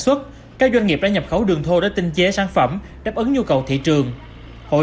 xuất các doanh nghiệp đã nhập khẩu đường thô để tinh chế sản phẩm đáp ứng nhu cầu thị trường hội